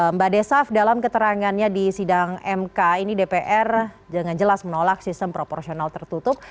mbak desaf dalam keterangannya di sidang mk ini dpr dengan jelas menolak sistem proporsional tertutup